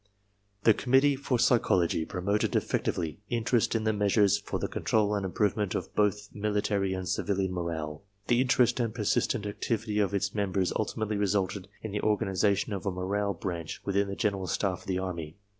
The Committee for Psychology promoted effectively interest^ in measures for the control and improvement of both military and civilian morale. The interest and persistent activity of its members ultimately resulted in the organization of a Morale Branch within the General Staff of the Army.